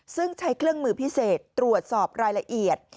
ซึ่งใช้เครื่องมือพิเศษตรวจสอบรายละเอียด